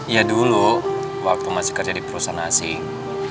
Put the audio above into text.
ya dulu waktu masih kerja di perusahaan asing